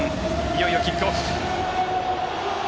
いよいよキックオフ。